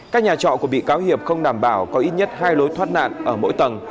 các nhà trọ của bị cáo hiệp không đảm bảo có ít nhất hai lối thoát nạn ở mỗi tầng